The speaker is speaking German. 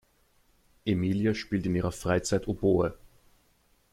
Emilia spielt in ihrer Freizeit Oboe.